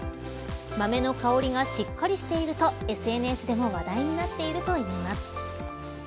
豆の香りが、しっかりしているとＳＮＳでも話題になっているといいます。